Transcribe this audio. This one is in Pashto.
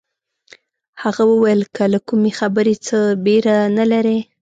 هغه وویل که له کومې خبرې څه بېره نه لرئ.